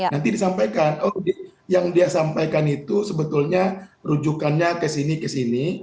nanti disampaikan oh yang dia sampaikan itu sebetulnya rujukannya ke sini ke sini